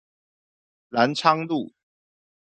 藍昌路